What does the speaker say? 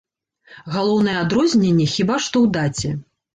Галоўнае адрозненне хіба што ў даце.